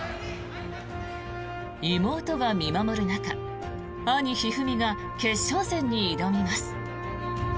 妹が見守る中兄・一二三が決勝戦に挑みます。